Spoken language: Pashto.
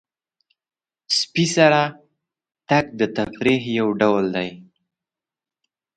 سپي سره تګ د تفریح یو ډول دی.